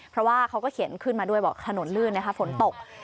เพราะว่าเขาก็เขียนขึ้นมาด้วยบอกถนนลื่นนะคะฝนตก